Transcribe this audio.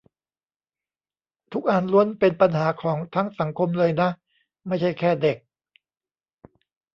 ทุกอันล้วนเป็นปัญหาของทั้งสังคมเลยนะ ไม่ใช่แค่เด็ก